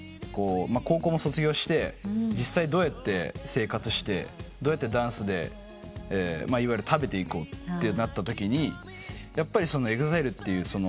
高校も卒業して実際どうやって生活してどうやってダンスで食べていこうってなったときにやっぱりＥＸＩＬＥっていう。